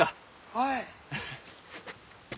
はい。